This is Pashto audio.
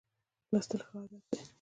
لوستل ښه عادت دی.